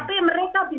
karena di triwunnya